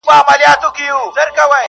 سل یې نوري ورسره وې سهیلیاني-